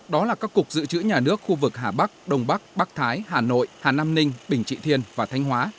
đó là các cục dự trữ nhà nước khu vực hà bắc đông bắc bắc thái hà nội hà nam ninh bình trị thiên và thanh hóa